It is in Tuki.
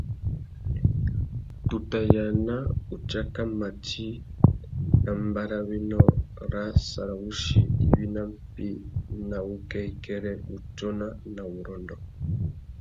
Tu tà yāna utsáka mati nà mbarrawénô râ sarawussi iwí nà mpí ná wukêkêrê, wutsôna na wurrôndô.